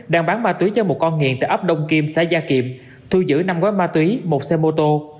đang bán ma túy cho một con nghiện tại ấp đông kim xã gia kiệm thu giữ năm gói ma túy một xe mô tô